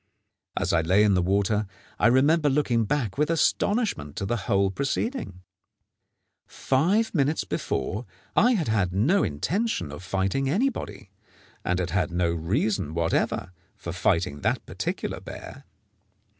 As I lay in the water, I remember looking back with astonishment to the whole proceeding. Five minutes before I had had no intention of fighting anybody, and had had no reason whatever for fighting that particular bear.